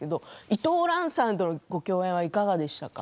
伊藤蘭さんとのご共演はいかがでしたか？